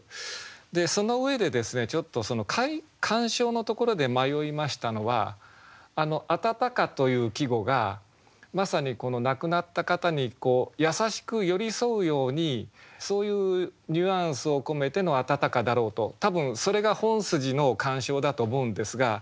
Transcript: でその上でですねちょっと鑑賞のところで迷いましたのは「あたたか」という季語がまさにこの亡くなった方に優しく寄り添うようにそういうニュアンスを込めての「あたたか」だろうと多分それが本筋の鑑賞だと思うんですが。